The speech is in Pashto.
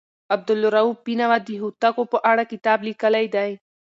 عبدالروف بېنوا د هوتکو په اړه کتاب لیکلی دی.